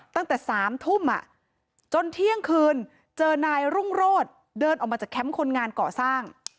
ตั้งแต่๓ทุ่มจนเที่ยงคืนเจอนายรุ่งโรธเดินออกมาจากแคมป์คนงานก่อสร้าง